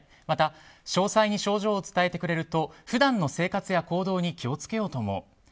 また詳細に症状を伝えてくれると普段の生活や行動に気を付けようと思う。